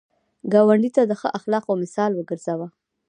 ګاونډي ته د ښه اخلاقو مثال وګرځه